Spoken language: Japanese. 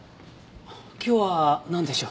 今日はなんでしょう？